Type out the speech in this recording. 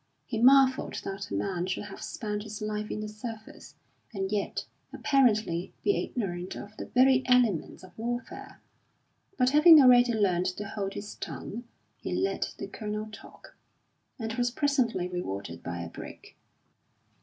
He marvelled that a man should have spent his life in the service, and yet apparently be ignorant of the very elements of warfare; but having already learnt to hold his tongue, he let the Colonel talk, and was presently rewarded by a break.